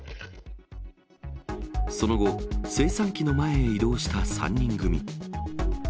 その後、精算機の前へ移動した３人組。